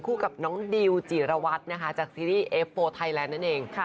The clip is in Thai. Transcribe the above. กับน้องดิวจีรวัตรนะคะจากซีรีส์เอฟโฟไทยแลนด์นั่นเอง